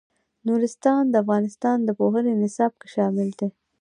نورستان د افغانستان د پوهنې نصاب کې شامل دي.